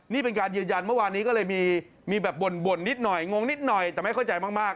นี่เป็นการยืนยันเมื่อวานนี้ก็เลยมีแบบบ่นนิดหน่อยงงนิดหน่อยแต่ไม่เข้าใจมาก